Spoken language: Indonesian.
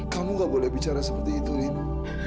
kamu tidak boleh bicara seperti itu rino